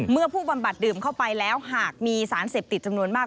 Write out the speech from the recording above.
เมื่อผู้บำบัดดื่มเข้าไปแล้วหากมีสารเสพติดจำนวนมาก